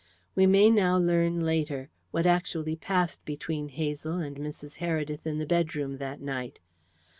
We may now learn later what actually passed between Hazel and Mrs. Heredith in the bedroom that night.